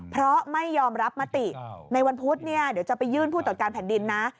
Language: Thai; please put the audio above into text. เพราะไม่ยอมรับมติในวันพุธเนี่ยเดี๋ยวจะไปยื่นผู้ตรวจการแผ่นดินนะ